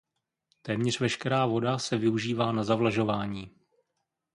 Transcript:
Téměř veškerá voda se využívá na zavlažování.